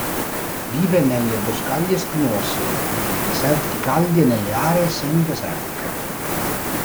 Vive nelle boscaglie spinose nei deserti caldi e nelle aree semi-desertiche.